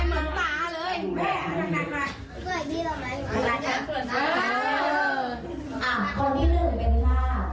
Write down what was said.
แกแดงว่าจะดีนั่นละ